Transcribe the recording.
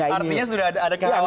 artinya sudah ada kawasan ya